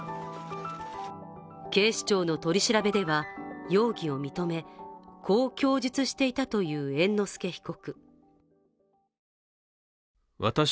警視庁の取り調べでは容疑を認めこう供述していたという猿之助被告。